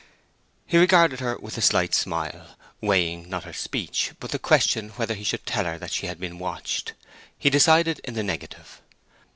'" He regarded her with a slight smile, weighing, not her speech, but the question whether he should tell her that she had been watched. He decided in the negative.